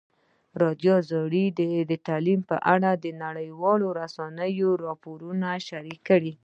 ازادي راډیو د تعلیم په اړه د نړیوالو رسنیو راپورونه شریک کړي.